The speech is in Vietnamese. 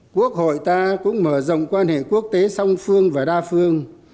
quốc hội ta cũng mở rộng quan hệ quốc tế song phương và đa phương